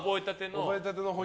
覚えたての。